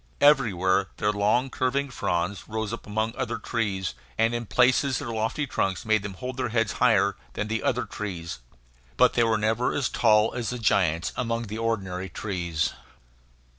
Everywhere their long, curving fronds rose among the other trees, and in places their lofty trunks made them hold their heads higher than the other trees. But they were never as tall as the giants among the ordinary trees.